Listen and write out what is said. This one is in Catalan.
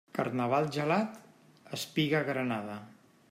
Carnaval gelat, espiga granada.